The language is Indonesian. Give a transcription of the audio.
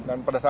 dan pada saat